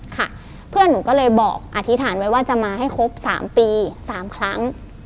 ค่ะเพื่อนหนูก็เลยบอกอธิษฐานไว้ว่าจะมาให้ครบ๓ปี๓ครั้ง